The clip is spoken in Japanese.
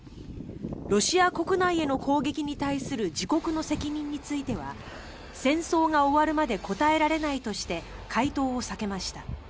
ロシア国内への攻撃に対する自国の責任については戦争が終わるまで答えられないとして回答を避けました。